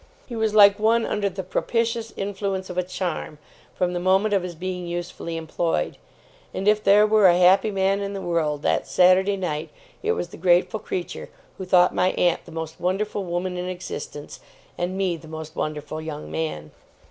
He was like one under the propitious influence of a charm, from the moment of his being usefully employed; and if there were a happy man in the world, that Saturday night, it was the grateful creature who thought my aunt the most wonderful woman in existence, and me the most wonderful young man.